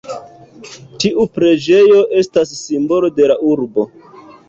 Tiu preĝejo estas simbolo de la urbo.